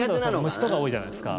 虫とか多いじゃないですか。